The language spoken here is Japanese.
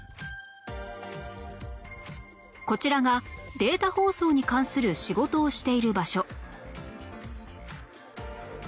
こちらがデータ放送に関する仕事をしている場所